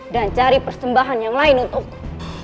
dan cari persembahan yang lain untukku